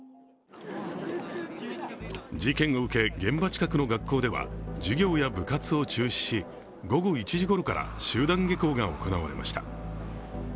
事件を受け、現場近くの学校では授業や部活を中止し午後１時ごろから集団下校が行われました。